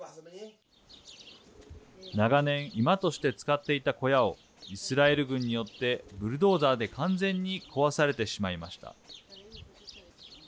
長年居間として使っていた小屋をイスラエル軍によってブルドーザーで完全に壊されてしまいました。